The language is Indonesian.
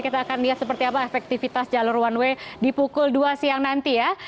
kita akan lihat seperti apa efektivitas jalur one way di pukul dua siang nanti ya